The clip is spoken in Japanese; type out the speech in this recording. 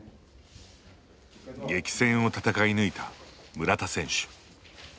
激戦を闘い抜いた村田選手。